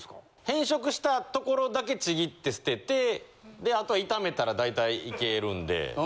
変色した所だけちぎって捨ててあとは炒めたら大体いけるんで。